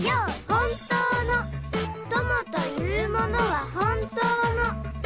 「本当の友というものは」